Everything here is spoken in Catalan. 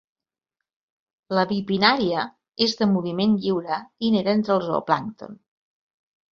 La bipinnària és de moviment lliure i neda entre el zooplàncton.